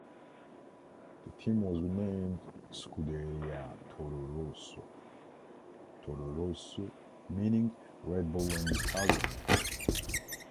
The team was renamed "Scuderia Toro Rosso", "Toro Rosso" meaning Red Bull in Italian.